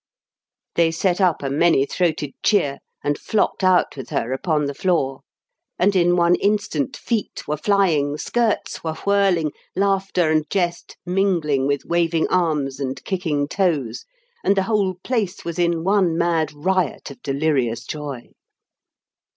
They set up a many throated cheer and flocked out with her upon the floor; and in one instant feet were flying, skirts were whirling, laughter and jest mingling with waving arms and kicking toes, and the whole place was in one mad riot of delirious joy.